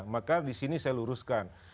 maka di sini saya luruskan